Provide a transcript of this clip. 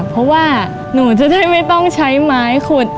เพราะว่าหนูจะได้ไม่ต้องใช้ไม้ขุด